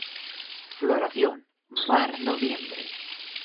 Floración: mar-noviembre.